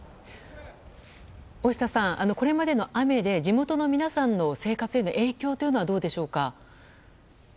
大下さん、これまでの雨で地元の皆さんの生活への影響はどうでしょうか。